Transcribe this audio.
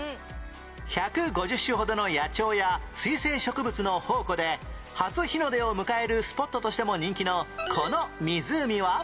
１５０種ほどの野鳥や水生植物の宝庫で初日の出を迎えるスポットとしても人気のこの湖は？